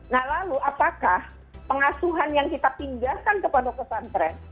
nah lalu apakah pengasuhan yang kita pindahkan ke pondok pesantren